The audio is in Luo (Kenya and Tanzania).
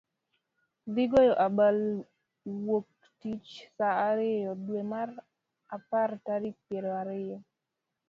thi goyo abal Wuok Tich saa ariyo, dwe mar apar tarik piero ariyo.